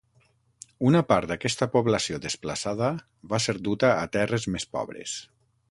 Una part d'aquesta població desplaçada va ser duta a terres més pobres.